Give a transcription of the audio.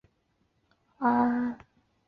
安徽嗜眼吸虫为嗜眼科嗜眼属的动物。